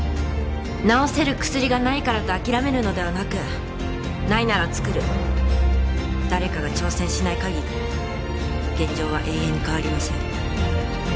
治せる薬がないからと諦めるのではなくないなら作る誰かが挑戦しない限り現状は永遠に変わりません